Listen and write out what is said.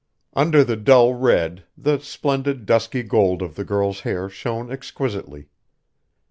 Under the dull red the splendid, dusky gold of the girl's hair shone exquisitely.